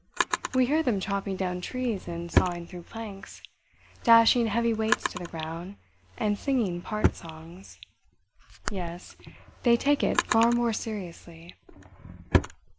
We hear them chopping down trees and sawing through planks, dashing heavy weights to the ground, and singing part songs. Yes, they take it far more seriously.